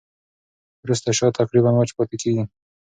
وروسته شات تقریباً وچ پاتې کېږي.